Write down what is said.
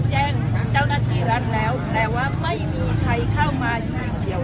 แจ้งเจ้านักธิรัฐแล้วแปลว่าไม่มีใครเข้ามาอยู่ที่นั่นเดียวเลย